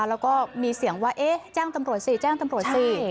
แล้วก็มีเสียงว่าเอ๊ะแจ้งตำรวจสิแจ้งตำรวจสิ